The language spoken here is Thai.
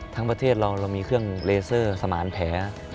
ทั้งประเทศเรามีเครื่องเลเซอร์สมารแผล